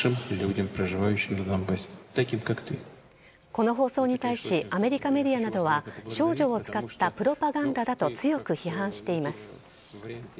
この放送に対しアメリカメディアなどは少女を使ったプロパガンダだと強く批判しています。